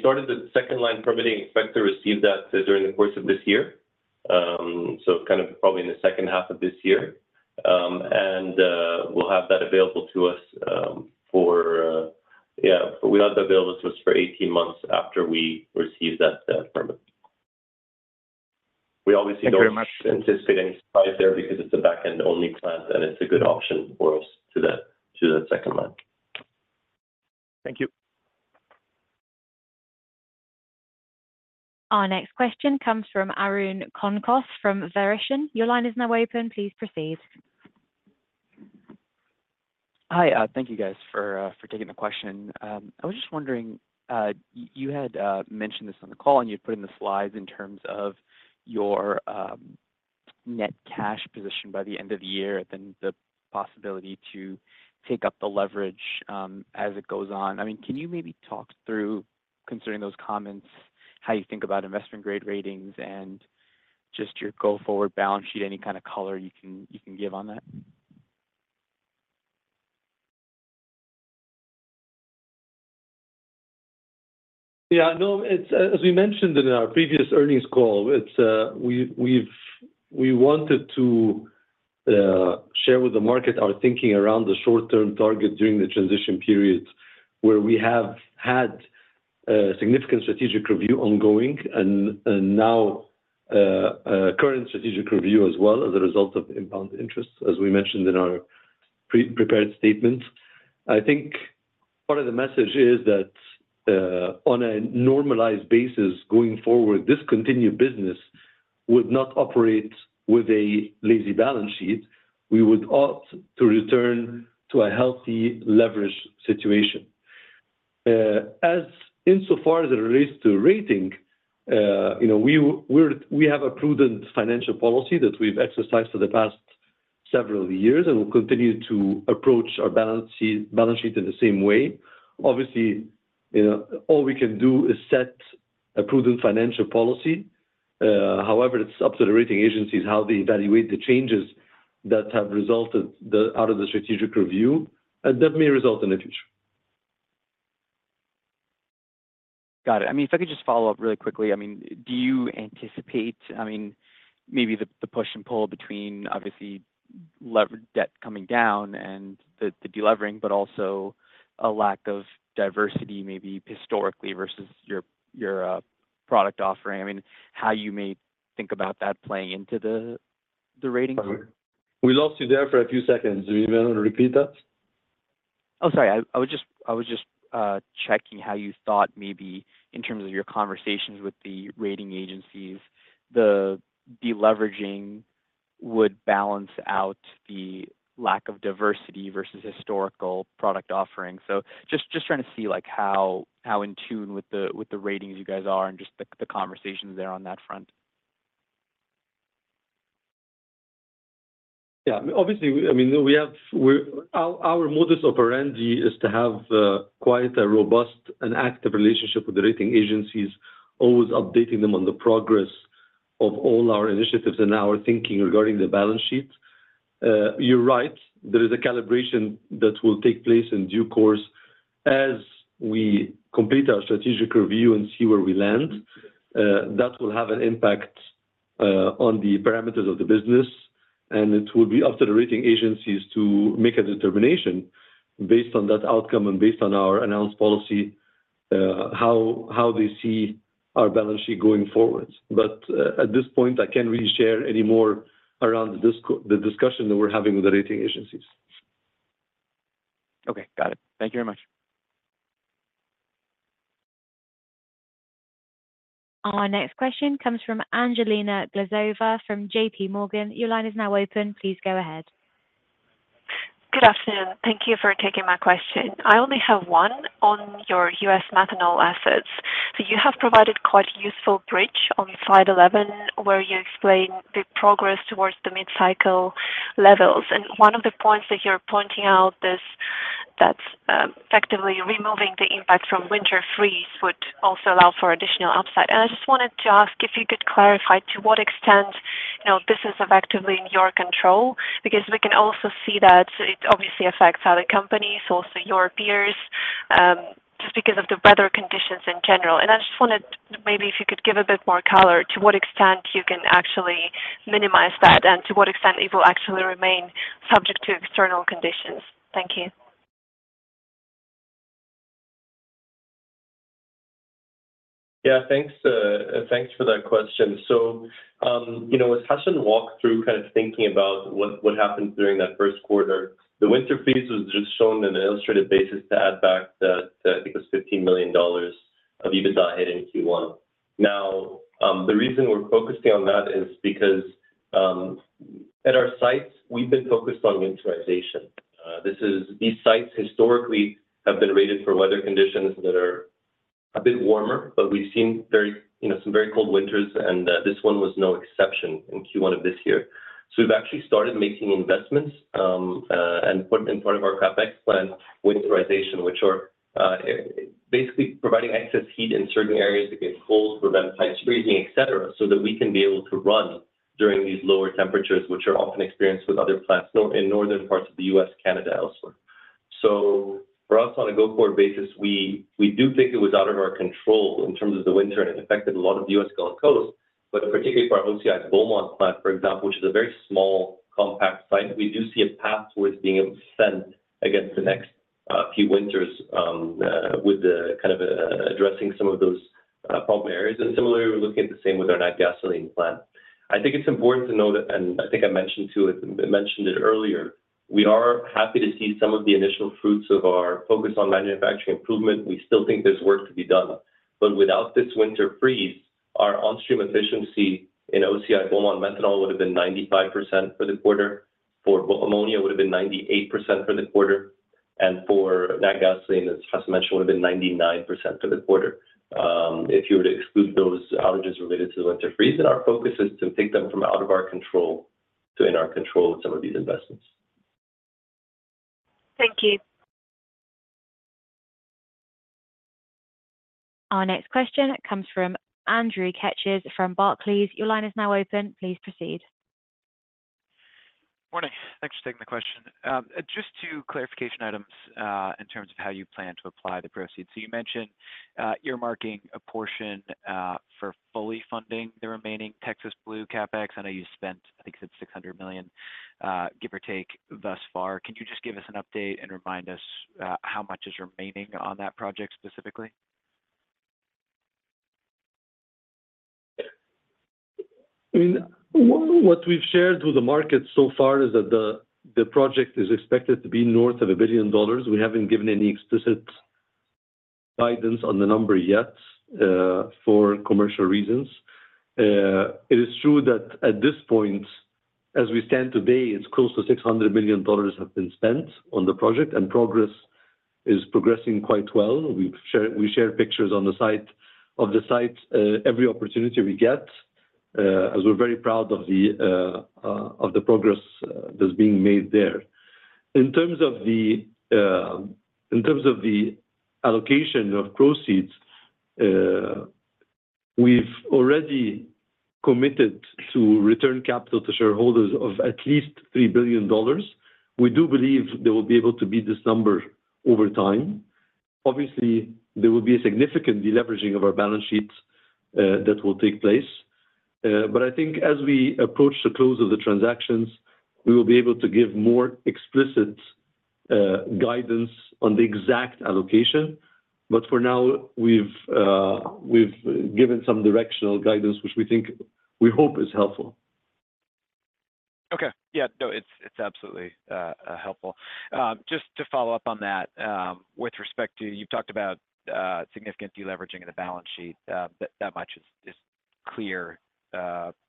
started the second line permitting, expect to receive that during the course of this year. So kind of probably in the second half of this year and we'll have that available to us for 18 months after we receive that permit. We obviously don't anticipate any surprise there because it's a back-end only plant and it's a good option for us to do that second line. Thank you. Our next question comes from Arun Konkos from Verition. Your line is now open please proceed. Hi. Thank you guys for taking the question. I was just wondering you had mentioned this on the call and you'd put in the slides in terms of your net cash position by the end of the year and then the possibility to take up the leverage as it goes on. I mean, can you maybe talk through considering those comments how you think about investment grade ratings and just your go-forward balance sheet? Any kind of color you can give on that? Yeah. No. As we mentioned in our previous earnings call, we wanted to share with the market our thinking around the short-term target during the transition period where we have had significant strategic review ongoing and now current strategic review as well as a result of impaired interest as we mentioned in our prepared statement. I think part of the message is that on a normalized basis going forward this continued business would not operate with a lazy balance sheet. We would opt to return to a healthy leverage situation. Insofar as it relates to rating, we have a prudent financial policy that we've exercised for the past several years and we'll continue to approach our balance sheet in the same way. Obviously all we can do is set a prudent financial policy. However, it's up to the rating agencies how they evaluate the changes that have resulted out of the strategic review and that may result in the future. Got it. I mean, if I could just follow up really quickly. I mean, do you anticipate—I mean, maybe the push and pull between obviously debt coming down and the deleveraging, but also a lack of diversification maybe historically versus your product offering? I mean, how you may think about that playing into the rating. We lost you there for a few seconds. Do you mind repeating that? Oh. Sorry. I was just checking how you thought maybe in terms of your conversations with the rating agencies the deleveraging would balance out the lack of diversity versus historical product offering? So just trying to see how in tune with the ratings you guys are and just the conversations there on that front. Yeah. Obviously I mean we have our modus operandi is to have quite a robust and active relationship with the rating agencies always updating them on the progress of all our initiatives and our thinking regarding the balance sheet. You're right. There is a calibration that will take place in due course as we complete our strategic review and see where we land. That will have an impact on the parameters of the business and it will be up to the rating agencies to make a determination based on that outcome and based on our announced policy how they see our balance sheet going forward. But at this point I can't really share any more around the discussion that we're having with the rating agencies. Okay. Got it. Thank you very much. Our next question comes from Angelina Glazova from J.P. Morgan. Your line is now open, please go ahead. Good afternoon. Thank you for taking my question. I only have one on your US methanol assets. So you have provided quite useful bridge on slide 11 where you explain the progress towards the mid-cycle levels. And one of the points that you're pointing out is that effectively removing the impact from winter freeze would also allow for additional upside. And I just wanted to ask if you could clarify to what extent this is effectively in your control because we can also see that it obviously affects other companies also your peers just because of the weather conditions in general. And I just wanted maybe if you could give a bit more color to what extent you can actually minimize that and to what extent it will actually remain subject to external conditions. Thank you. Yeah. Thanks for that question. So as Hassan walked through kind of thinking about what happened during that first quarter the winter freeze was just shown in an illustrative basis to add back that I think it was $15 million of EBITDA hit in Q1. Now the reason we're focusing on that is because at our sites we've been focused on winterization. These sites historically have been rated for weather conditions that are a bit warmer but we've seen some very cold winters and this one was no exception in Q1 of this year. So we've actually started making investments and put in part of our CapEx plan winterization which are basically providing excess heat in certain areas that get cold prevent pipe freezing etc. so that we can be able to run during these lower temperatures which are often experienced with other plants in northern parts of the U.S., Canada, elsewhere. So for us on a go-forward basis we do think it was out of our control in terms of the winter and it affected a lot of the U.S. Gulf Coast but particularly for our OCI's Beaumont plant for example which is a very small compact site we do see a path towards being able to fend against the next few winters with kind of addressing some of those problem areas. And similarly we're looking at the same with our NatGasoline plant. I think it's important to note and I think I mentioned too I mentioned it earlier we are happy to see some of the initial fruits of our focus on manufacturing improvement. We still think there's work to be done. Without this winter freeze our onstream efficiency in OCI Beaumont methanol would have been 95% for the quarter, for ammonia would have been 98% for the quarter, and for NatGasoline as Hassan mentioned would have been 99% for the quarter if you were to exclude those outages related to the winter freeze. Our focus is to take them from out of our control to in our control with some of these investments. Thank you. Our next question comes from Andrew Keches from Barclays. Your line is now open. Please proceed. Morning. Thanks for taking the question. Just two clarification items in terms of how you plan to apply the proceeds. So you mentioned you're marking a portion for fully funding the remaining Texas Blue CapEx. I know you spent I think you said $600 million give or take thus far. Can you just give us an update and remind us how much is remaining on that project specifically? I mean what we've shared with the market so far is that the project is expected to be north of $1 billion. We haven't given any explicit guidance on the number yet for commercial reasons. It is true that at this point as we stand today it's close to $600 million have been spent on the project and progress is progressing quite well. We share pictures on the site of the site every opportunity we get as we're very proud of the progress that's being made there. In terms of the allocation of proceeds we've already committed to return capital to shareholders of at least $3 billion. We do believe they will be able to beat this number over time. Obviously there will be a significant deleveraging of our balance sheets that will take place. But I think as we approach the close of the transactions we will be able to give more explicit guidance on the exact allocation. But for now we've given some directional guidance which we think we hope is helpful. Okay. Yeah. No. It's absolutely helpful. Just to follow up on that with respect to, you've talked about significant deleveraging of the balance sheet. That much is clear,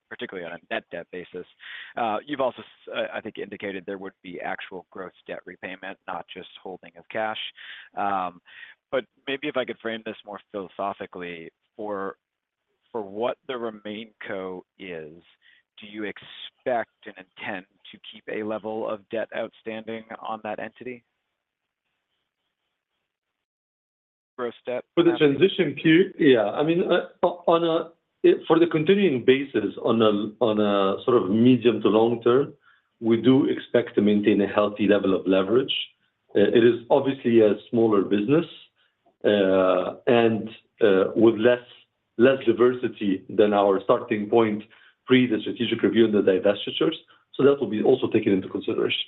particularly on a net debt basis. You've also, I think, indicated there would be actual gross debt repayment, not just holding of cash. But maybe if I could frame this more philosophically, for what the remaining Co. is, do you expect and intend to keep a level of debt outstanding on that entity? Gross debt? For the transition period, yeah. I mean, for the continuing basis, on a sort of medium- to long-term, we do expect to maintain a healthy level of leverage. It is obviously a smaller business and with less diversity than our starting point pre the strategic review and the divestitures. So that will be also taken into consideration.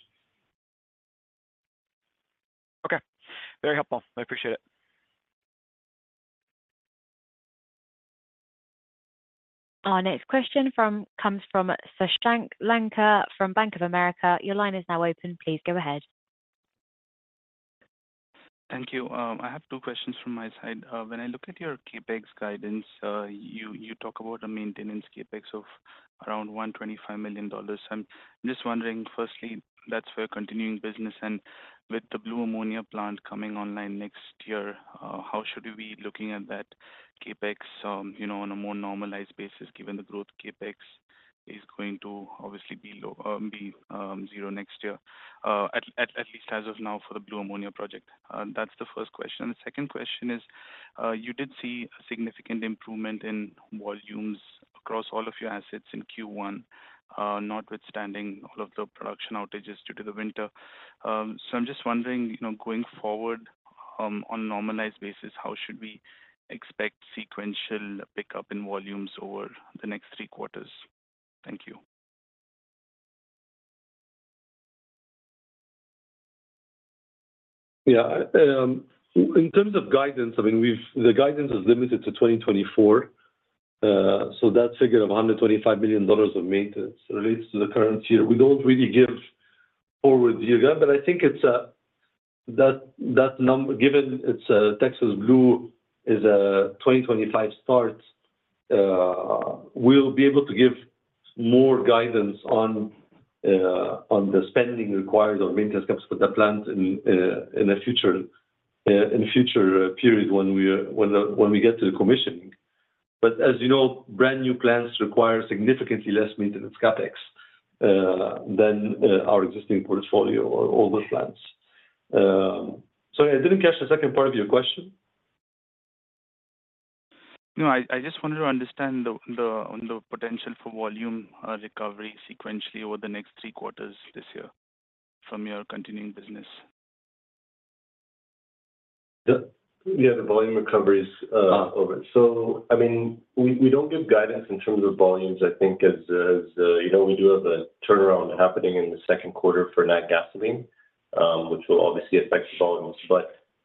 Okay. Very helpful. I appreciate it. Our next question comes from Shashank Lanka from Bank of America. Your line is now open, please go ahead. Thank you. I have two questions from my side. When I look at your CapEx guidance, you talk about a maintenance CapEx of around $125 million. I'm just wondering, firstly, that's for a continuing business and with the blue ammonia plant coming online next year how should we be looking at that CapEx on a more normalized basis given the growth CapEx is going to obviously be zero next year at least as of now for the blue ammonia project. That's the first question. The second question is you did see a significant improvement in volumes across all of your assets in Q1 notwithstanding all of the production outages due to the winter. So I'm just wondering going forward on a normalized basis how should we expect sequential pickup in volumes over the next three quarters? Thank you. Yeah. In terms of guidance, I mean the guidance is limited to 2024, so that figure of $125 million of maintenance relates to the current year. We don't really give forward year gap, but I think that number, given Texas Blue is a 2025 start, we'll be able to give more guidance on the spending required or maintenance costs for the plant in a future period when we get to the commissioning. But as you know, brand new plants require significantly less maintenance CapEx than our existing portfolio or older plants. Sorry, I didn't catch the second part of your question. No. I just wanted to understand the potential for volume recovery sequentially over the next three quarters this year from your continuing business. Yeah. The volume recoveries over it. So, I mean, we don't give guidance in terms of volumes, I think, as we do have a turnaround happening in the second quarter for NatGasoline, which will obviously affect the volumes.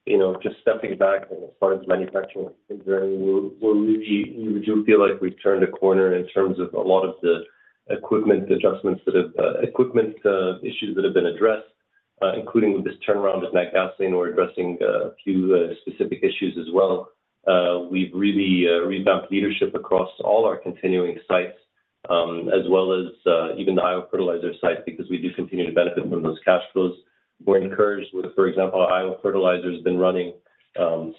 But just stepping back, and as far as manufacturing journey, we do feel like we've turned a corner in terms of a lot of the equipment adjustments that have equipment issues that have been addressed, including with this turnaround with NatGasoline. We're addressing a few specific issues as well. We've really revamped leadership across all our continuing sites as well as even the Iowa Fertilizer site because we do continue to benefit from those cash flows. We're encouraged with, for example, Iowa Fertilizer has been running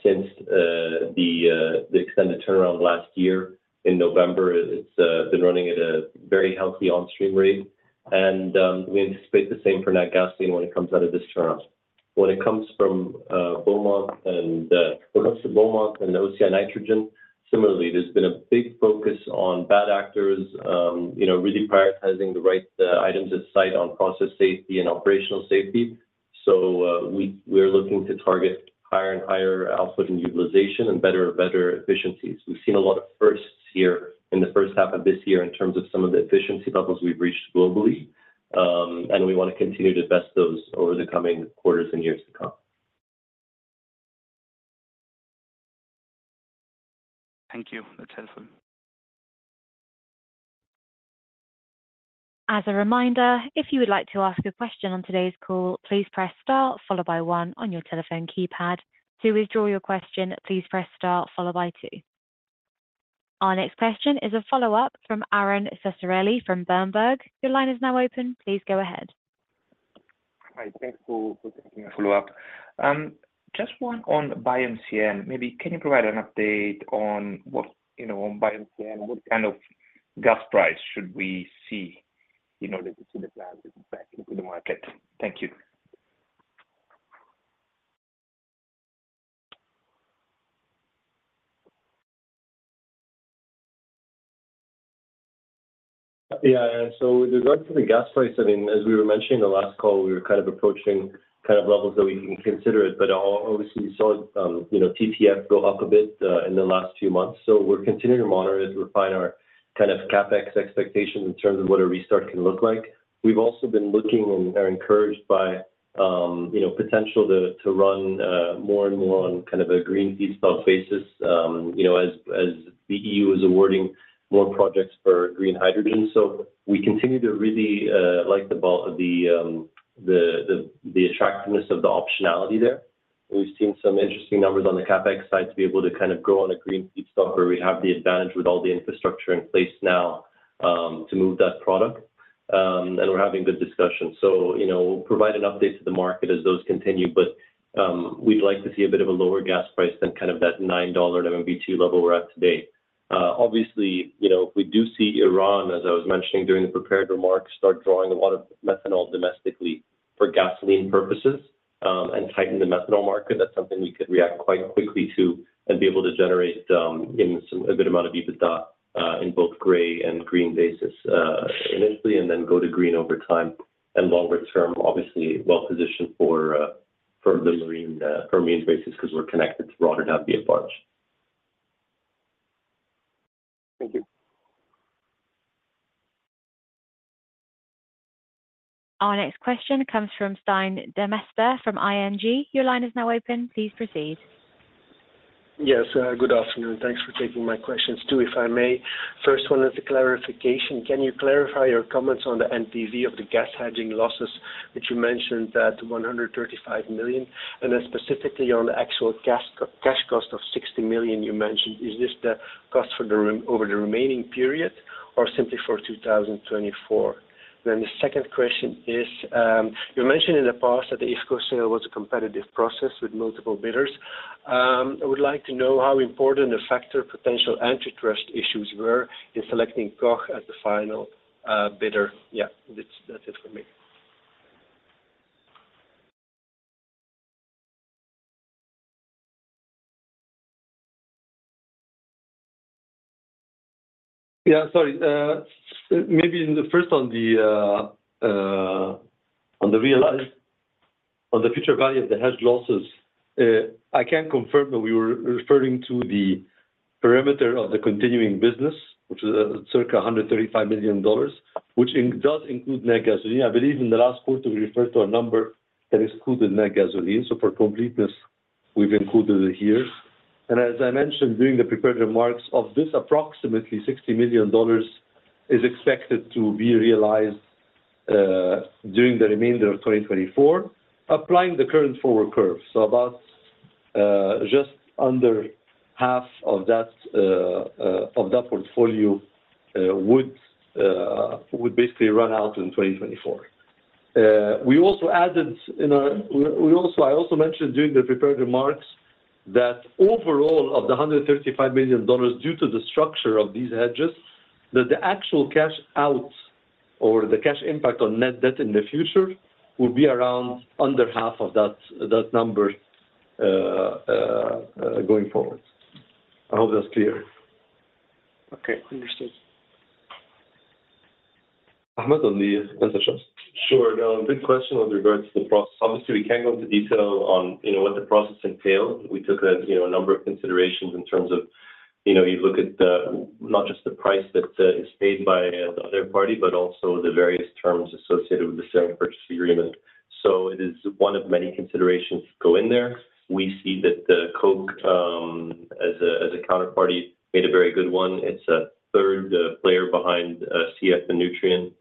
since the extended turnaround last year in November. It's been running at a very healthy onstream rate and we anticipate the same for NatGasoline when it comes out of this turnaround. When it comes from Beaumont and when it comes to Beaumont and OCI Nitrogen similarly there's been a big focus on bad actors really prioritizing the right items at site on process safety and operational safety. So we're looking to target higher and higher output and utilization and better and better efficiencies. We've seen a lot of firsts here in the first half of this year in terms of some of the efficiency levels we've reached globally and we want to continue to invest those over the coming quarters and years to come. Thank you. That's helpful. As a reminder, if you would like to ask a question on today's call, please press star followed by 1 on your telephone keypad. To withdraw your question, please press star followed by 2. Our next question is a follow-up from Aron Ceccarelli from Berenberg. Your line is now open. Please go ahead. Hi. Thanks for taking my follow-up. Just one on BioMCN. Maybe can you provide an update on BioMCN, what kind of gas price should we see in order to see the plants back into the market? Thank you. Yeah. And so, with regard to the gas price, I mean, as we were mentioning the last call, we were kind of approaching kind of levels that we can consider it. But obviously we saw TTF go up a bit in the last few months, so we're continuing to monitor it to refine our kind of CapEx expectations in terms of what a restart can look like. We've also been looking and are encouraged by potential to run more and more on kind of a green feedstock basis as the EU is awarding more projects for green hydrogen. So we continue to really like the attractiveness of the optionality there. We've seen some interesting numbers on the CapEx side to be able to kind of grow on a green feedstock where we'd have the advantage with all the infrastructure in place now to move that product and we're having good discussions. So we'll provide an update to the market as those continue but we'd like to see a bit of a lower gas price than kind of that $9 MMBtu level we're at today. Obviously, if we do see Iran, as I was mentioning during the prepared remarks, start drawing a lot of methanol domestically for gasoline purposes and tighten the methanol market, that's something we could react quite quickly to and be able to generate a good amount of EBITDA in both gray and green basis initially and then go to green over time, and longer term obviously well positioned for the marine basis because we're connected to Rotterdam via barge. Thank you. Our next question comes from Stijn Demeester from ING. Your line is now open. Please proceed. Yes. Good afternoon. Thanks for taking my questions too if I may. First one is a clarification. Can you clarify your comments on the NPV of the gas hedging losses that you mentioned at $135 million and then specifically on the actual cash cost of $60 million you mentioned? Is this the cost over the remaining period or simply for 2024? Then the second question is you mentioned in the past that the IFCO sale was a competitive process with multiple bidders. I would like to know how important a factor potential antitrust issues were in selecting Koch as the final bidder. Yeah. That's it from me. Yeah. Sorry. Maybe first on the future value of the hedge losses. I can't confirm but we were referring to the perimeter of the continuing business which is circa $135 million which does include NatGasoline. I believe in the last quarter we referred to a number that excluded NatGasoline. So for completeness we've included it here. And as I mentioned during the prepared remarks of this approximately $60 million is expected to be realized during the remainder of 2024 applying the current forward curve. So about just under half of that portfolio would basically run out in 2024. We also added in our. I also mentioned during the prepared remarks that overall of the $135 million due to the structure of these hedges that the actual cash out or the cash impact on net debt in the future will be around under half of that number going forward. I hope that's clear. Okay. Understood. Ahmed El-Hoshy. Answer. Sure. No. Good question with regards to the process. Obviously we can't go into detail on what the process entails. We took a number of considerations in terms of you look at not just the price that is paid by the other party but also the various terms associated with the sale and purchase agreement. So it is one of many considerations to go in there. We see that Koch as a counterparty made a very good one. It's a third player behind CF and Nutrien. So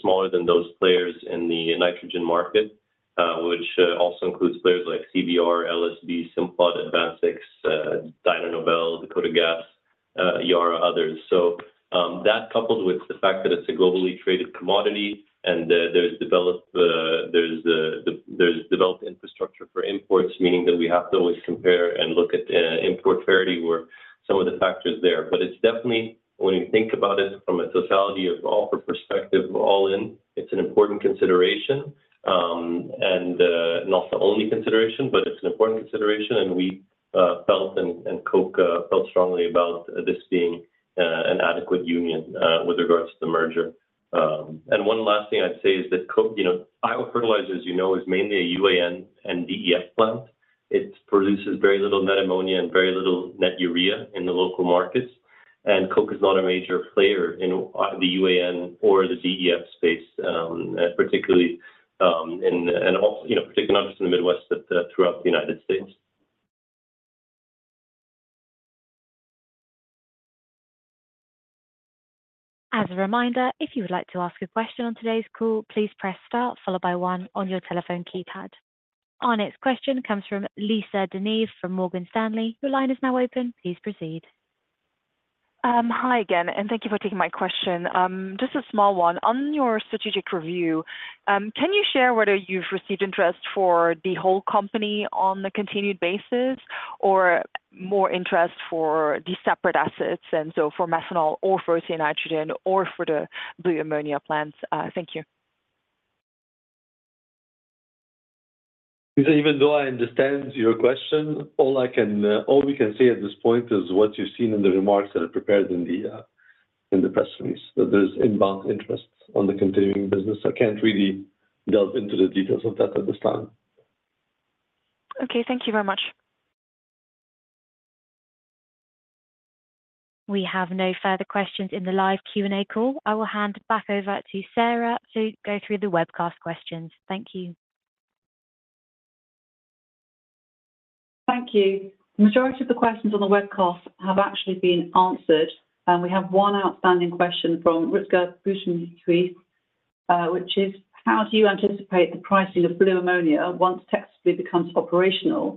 smaller than those players in the nitrogen market which also includes players like CVR, LSB, Simplot, AdvanSix, Dyno Nobel, Dakota Gas, Yara, others. So that coupled with the fact that it's a globally traded commodity and there's developed infrastructure for imports meaning that we have to always compare and look at import parity where some of the factors there. But it's definitely, when you think about it from a totality of offer perspective all in, it's an important consideration and not the only consideration, but it's an important consideration, and we felt and Koch felt strongly about this being an adequate union with regards to the merger. One last thing I'd say is that Iowa Fertilizer, as you know, is mainly a UAN and DEF plant. It produces very little net ammonia and very little net urea in the local markets, and Koch is not a major player in the UAN or the DEF space, particularly in and particularly not just in the Midwest but throughout the United States. As a reminder, if you would like to ask a question on today's call, please press star followed by 1 on your telephone keypad. Our next question comes from Lisa De Neve from Morgan Stanley. Your line is now open, please proceed. Hi again and thank you for taking my question. Just a small one. On your strategic review can you share whether you've received interest for the whole company on a continued basis or more interest for the separate assets and so for methanol or frozen nitrogen or for the blue ammonia plants? Thank you. Even though I understand your question, all we can see at this point is what you've seen in the remarks that are prepared in the press release, that there's inbound interest on the continuing business. I can't really delve into the details of that at this time. Okay. Thank you very much. We have no further questions in the live Q&A call. I will hand back over to Sarah to go through the webcast questions. Thank you. Thank you. The majority of the questions on the webcast have actually been answered. We have one outstanding question from Rutger Buitenhuis which is how do you anticipate the pricing of blue ammonia once Texas Blue becomes operational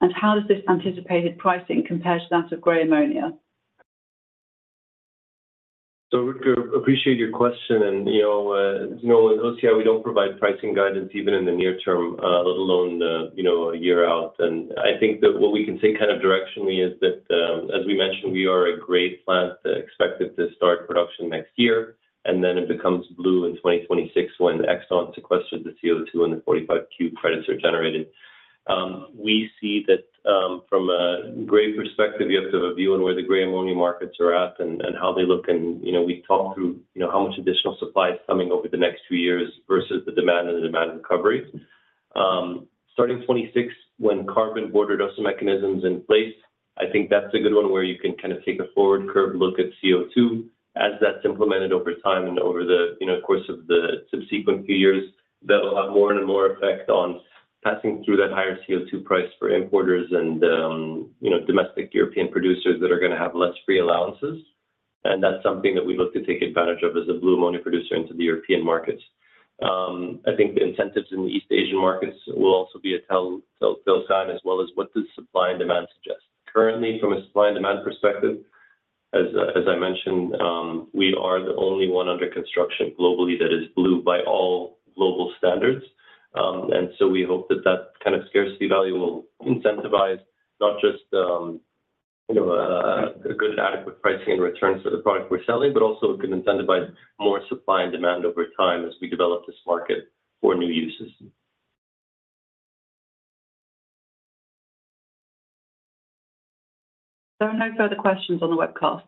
and how does this anticipated pricing compare to that of gray ammonia? So, Rutger, appreciate your question, and as you know, with OCI, we don't provide pricing guidance even in the near term, let alone a year out. And I think that what we can say kind of directionally is that, as we mentioned, we are a gray plant expected to start production next year, and then it becomes blue in 2026 when Exxon sequesters the CO2 and the 45Q credits are generated. We see that from a gray perspective you have to have a view on where the gray ammonia markets are at and how they look, and we talk through how much additional supply is coming over the next few years versus the demand and the demand recovery. Starting 2026 when Carbon Border Adjustment Mechanism in place I think that's a good one where you can kind of take a forward curve look at CO2 as that's implemented over time and over the course of the subsequent few years that will have more and more effect on passing through that higher CO2 price for importers and domestic European producers that are going to have less free allowances. That's something that we'd like to take advantage of as a Blue Ammonia producer into the European markets. I think the incentives in the East Asian markets will also be a tell sign as well as what does supply and demand suggest. Currently from a supply and demand perspective as I mentioned we are the only one under construction globally that is blue by all global standards. And so we hope that that kind of scarcity value will incentivize not just a good and adequate pricing and returns for the product we're selling but also it can incentivize more supply and demand over time as we develop this market for new uses. There are no further questions on the webcast.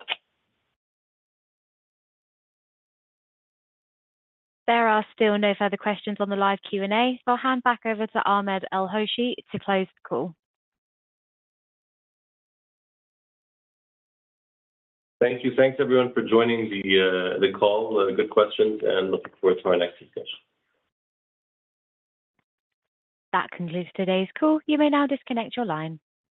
There are still no further questions on the live Q&A. I'll hand back over to Ahmed El-Hoshy to close the call. Thank you. Thanks everyone for joining the call. Good questions and looking forward to our next discussion. That concludes today's call. You may now disconnect your line.